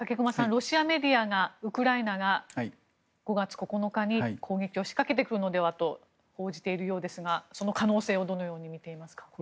ロシアメディアがウクライナが５月９日に攻撃を仕掛けてくるのではと報じているようですがその可能性をどのように見ていますか？